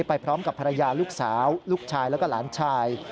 ไปพร้อมกับภรรยาลูกสาวลูกชายแล้วก็หลานชาย